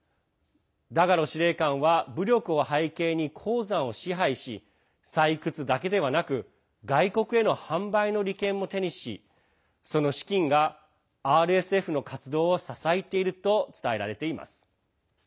ダガロ司令官は武力を背景に鉱山を支配し採掘だけではなく外国への販売の利権も手にしその資金がＲＳＦの活動を支えていると伝えられています。